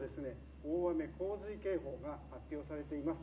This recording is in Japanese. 大雨洪水警報が発表されています。